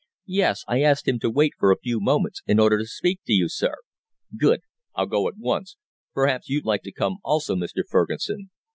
"Yes. I asked him to wait for a few moments in order to speak to you, sir." "Good. I'll go at once. Perhaps you'd like to come also, Mr. Fergusson?"